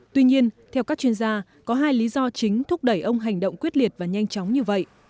tuy nhiên theo các chuyên gia có hai lý do chính thúc đẩy ông hành động quyết liệt và nhanh chóng như vậy